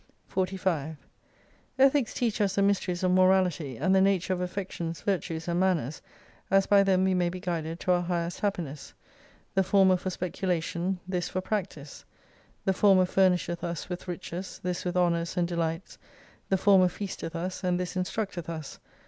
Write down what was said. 45 Ethics teach us the mysteries of morality, and the nature of affections, virtues, and manners, as by them we may be guided to our highest happiness. The former for speculation, this for practice. The former furnisheth us with riches, this with honours and delights, the former feasteth us, and this instructeth us.